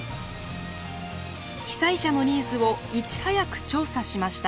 被災者のニーズをいち早く調査しました。